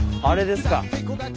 あれですか？